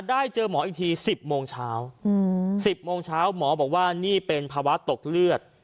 ได้เจอหมออีกที๑๐โมงเช้า๑๐โมงเช้าหมอบอกว่านี่เป็นภาวะตกเลือด